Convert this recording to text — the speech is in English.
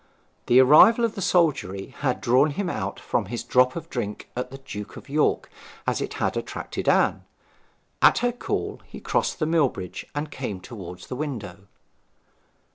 The arrival of the soldiery had drawn him out from his drop of drink at the 'Duke of York' as it had attracted Anne. At her call he crossed the mill bridge, and came towards the window.